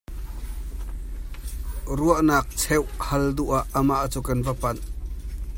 Ruahnak cheuh hal duh ah amah cu kan va panh.